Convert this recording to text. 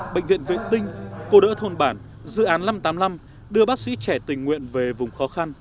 bệnh viện vệ tinh cô đỡ thôn bản dự án năm trăm tám mươi năm đưa bác sĩ trẻ tình nguyện về vùng khó khăn